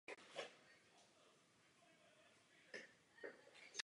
Svět jeho babičky byl zničen díky rozmachu Bran po vesmíru.